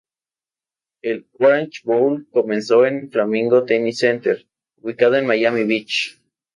El Orange Bowl, comenzó en Flamingo Tennis Center, ubicado en Miami Beach.